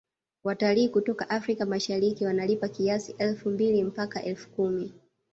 Watalii kutoka africa mashariki wanalipa kiasi elfu mbili mpaka elfu kumi